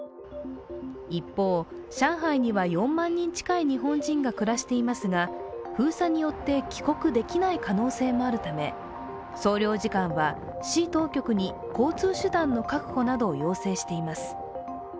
一方、上海には４万人近い日本人が暮らしていますが封鎖によって帰国できない可能性もあるため、総領事館は市当局に交通手段の確保などを要請しています。